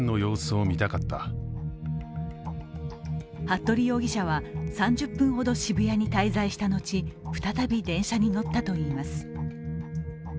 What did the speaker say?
服部容疑者は３０分ほど渋谷に滞在した後再び電車に乗ったといいます。